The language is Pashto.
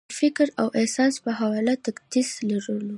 د فکر او احساس په حواله تقدس لرلو